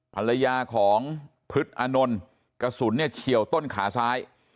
ภรรยาของพฤทธิ์อนนท์กระสุนเฉียวต้นขาซ้าย